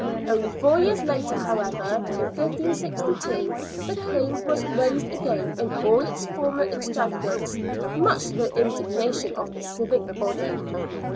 Only four years later, however, in 1562, the claim was raised again in all its former extravagance, much to the indignation of the civic body.